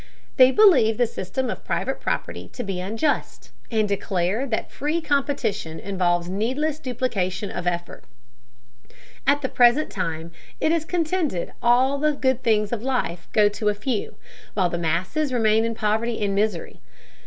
They believe the system of private property to be unjust, and declare that free competition involves needless duplication of effort. At the present time, it is contended, all the good things of life go to a few, while the masses remain in poverty and misery.